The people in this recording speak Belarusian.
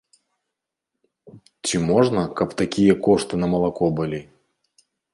Ці можна, каб такія кошты на малако былі?